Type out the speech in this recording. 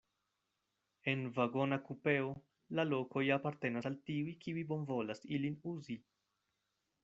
En vagona kupeo la lokoj apartenas al tiuj, kiuj bonvolas ilin uzi.